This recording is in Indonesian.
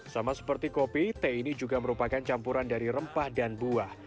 sama seperti kopi teh ini juga merupakan campuran dari rempah dan buah